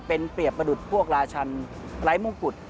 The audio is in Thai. เป็นเปรียบประดุษพวกราชันไร้มงกุฎ